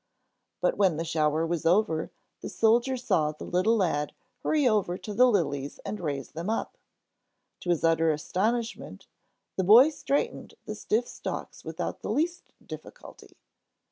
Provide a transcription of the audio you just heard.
But when the shower was over, the soldier saw the little lad hurry over to the lilies and raise them up. To his utter astonishment, the boy straightened the stiff stalks without the least difficulty.